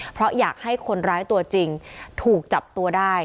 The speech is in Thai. เพราะอยากให้คนร้ายตัวจริงถูกจับตัวได้